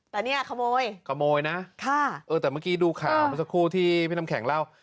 แต่เนี่ยขโมยขโมยนะค่ะเออแต่เมื่อกี้ดูข่าวเมื่อสักครู่ที่พี่น้ำแข็งเล่า